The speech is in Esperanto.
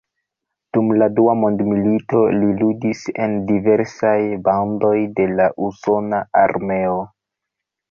Dum la Dua Mondmilito li ludis en diversaj bandoj de la usona armeo.